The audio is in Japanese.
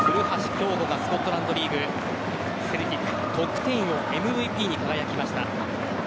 亨梧がスコットランドリーグセルティック得点王、ＭＶＰに輝きました。